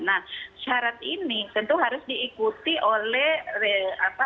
nah syarat ini tentu harus diikuti oleh aturan yang kuat